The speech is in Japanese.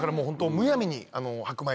むやみに？